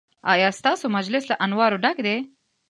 ایا ستاسو مجلس له انوارو ډک دی؟